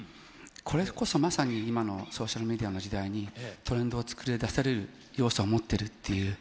これこそまさに、今のソーシャルメディアの時代に、トレンドを作り出せる要素を持ってるっていう。